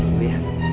masuk dulu ya